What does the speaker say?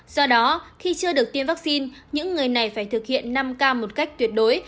do đó khi chưa được tiêm vaccine những người này phải thực hiện năm k một cách tuyệt đối